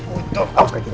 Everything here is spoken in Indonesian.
udah haus kakinya